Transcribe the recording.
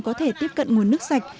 có thể tiếp cận nguồn nước sạch